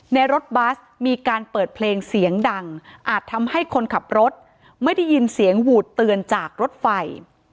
ในรถบัสมีการเปิดเพลงเสียงดังอาจทำให้คนขับรถไม่ได้ยินเสียงหวูดเตือนจากรถไฟ